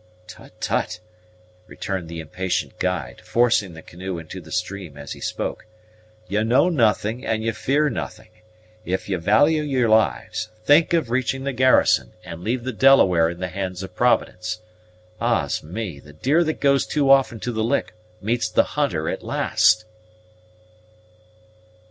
"Tut! tut!" returned the impatient guide, forcing the canoe into the stream as he spoke; "ye know nothing and ye fear nothing. If ye value your lives, think of reaching the garrison, and leave the Delaware in the hands of Providence. Ah's me! the deer that goes too often to the lick meets the hunter at last!"